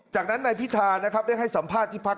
จากนั้นนายพิธานะครับได้ให้สัมภาษณ์ที่พัก